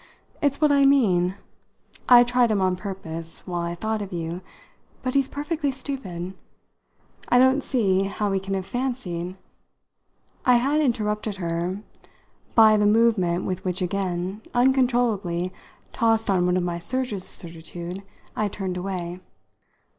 It's what I mean. I tried him on purpose, while I thought of you. But he's perfectly stupid. I don't see how we can have fancied !" I had interrupted her by the movement with which again, uncontrollably tossed on one of my surges of certitude, I turned away.